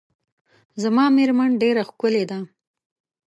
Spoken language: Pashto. زما میرمن ډیره ښکلې ده .